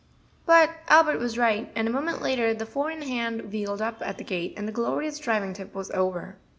Hut Albert was right, and a moment later the four in hand wheeled up at the gate, and the glorious driving trip was over.